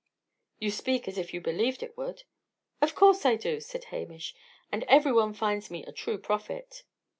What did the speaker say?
"You speak as if you believed it would." "Of course I do," said Hamish. "And every one finds me a true prophet."